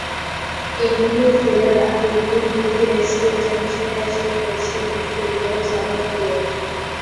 এমিলির ফেরার আগের দিন বিকেএসপির ক্যাম্প ছেড়ে আসতে হয়েছে মিডফিল্ডার জামাল ভূঁইয়াকে।